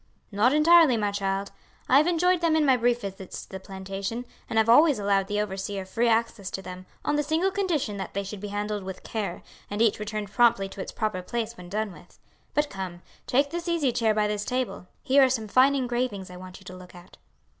"Not entirely, my child; I have enjoyed them in my brief visits to the plantation, and have always allowed the overseer free access to them, on the single condition that they should be handled with care, and each returned promptly to its proper place when done with. But come, take this easy chair by this table; here are some fine engravings I want you to look at."